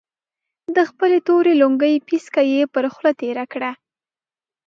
د خپلې تورې لونګۍ پيڅکه يې پر خوله تېره کړه.